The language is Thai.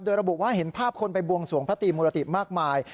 โดยระบุว่าเห็นภาพคนไปบวงสวงพระตรีมุรติมากมาย